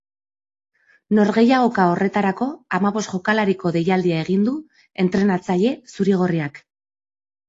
Norgehiagoka horretarako hamabost jokalariko deialdia egin du entrenatzaile zuri-gorriak.